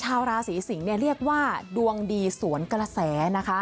ชาวราศีสิงศ์เรียกว่าดวงดีสวนกระแสนะคะ